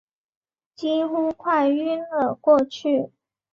几乎快晕了过去